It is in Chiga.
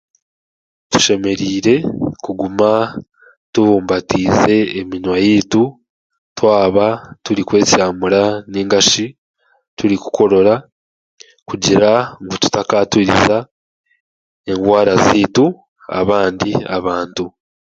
Tushemereire kuguma tubumbatiize eminywa yaitu twaba turikwesyamura nainga shi turikukorora kugira ngu tutakaaturiza engwara zaitu abandi abantu